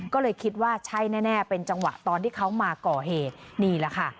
ก็เลยคิดว่าใช่แน่เป็นจังหวะตอนที่เขามาก่อเหตุนี่แหละค่ะ